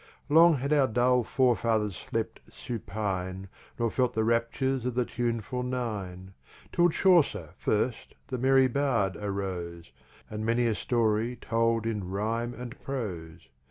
Long had our dull Fore Fathers slept Supine, Nor felt the Raptures of the Tuneful Nine; Till Chaucer first, the merry Bard, arose; And many a Story told in Rhime and Prose.